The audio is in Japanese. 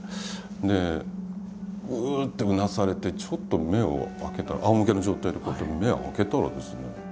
で「うう」ってうなされてちょっと目を開けたらあおむけの状態でこうやって目を開けたらですね